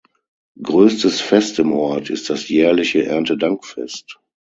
Größtes Fest im Ort ist das jährliche Erntedankfest.